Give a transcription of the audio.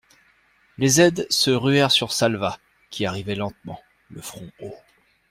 Les aides se ruèrent sur Salvat, qui arrivait lentement, le front haut.